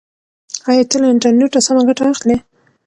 ایا ته له انټرنیټه سمه ګټه اخلې؟